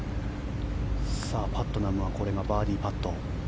パットナムはこれがバーディーパット。